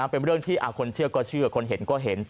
เป็นเรื่องที่คนเชื่อก็เชื่อคนเห็นก็เห็น